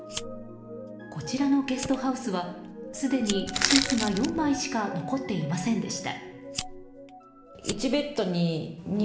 こちらのゲストハウスはすでにシーツが４枚しか残っていませんでした。